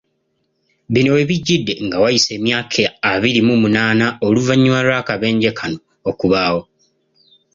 Bino we bijjdde nga wayise emyaka abiri mu munaana oluvannyuma lw'akabenje kano okubaawo.